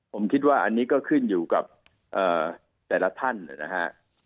ผมคิดว่าอันนี้ก็ขึ้นอยู่กับแต่ละท่านนะฮะ